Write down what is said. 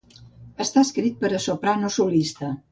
Està escrit per a soprano solista.